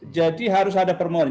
jadi harus ada permohonan